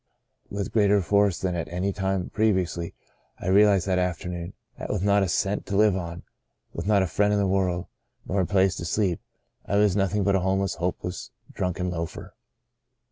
With greater force than at any time previously I realized, that afternoon, that with not a cent to live on, with not a friend in the world, nor a place to sleep, I was nothing but a homeless, hopeless, drunken loafer.